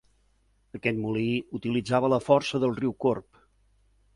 Aquest molí utilitzava la força del riu Corb.